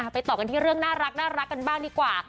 ไปต่อกันที่เรื่องน่ารักกันบ้างดีกว่า